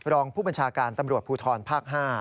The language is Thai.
รองผู้บัญชาการตำรวจภูทรภาค๕